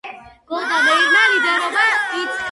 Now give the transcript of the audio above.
გოლდა მეირმა ლიდერობა იცხაკ რაბინს გადასცა.